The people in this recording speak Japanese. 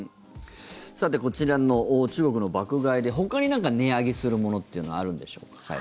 こちらの中国の爆買いでほかになんか、値上げするものっていうのはあるんでしょうか。